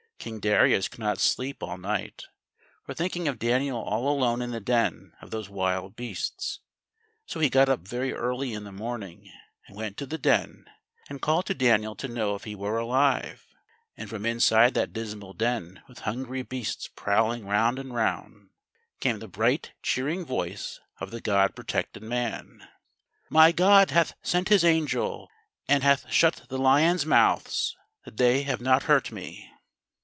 King Darius could not sleep all night, for thinking of Daniel all alone in the den of those wild beasts; so he got up very early in the morning, and went to the den and called to Daniel to know if he were alive. And from inside that dismal den with hungry beasts prowling round and round, came the bright, cheering voice of the God protected man: "My God hath sent His angel, and hath shut the lions' mouths, that they have not hurt me."